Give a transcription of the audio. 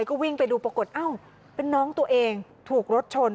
ก็วิ่งไปดูปรากฏอ้าวเป็นน้องตัวเองถูกรถชน